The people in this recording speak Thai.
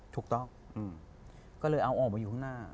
ถูกต้องก็เลยเอาออกมาอยู่ข้างหน้า